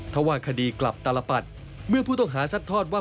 ถ้าว่าคดีกลับตลปัดเมื่อผู้ต้องหาซัดทอดว่า